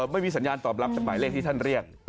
ไม่มีสัญญาณตอบรับจากหมายเลขที่ท่านเรียก